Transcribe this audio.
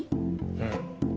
うん。